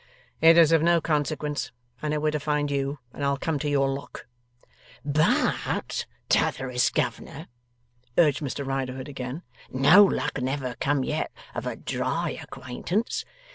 'It is of no consequence. I know where to find you, and I'll come to your Lock.' 'But, T'otherest Governor,' urged Mr Riderhood again, 'no luck never come yet of a dry acquaintance.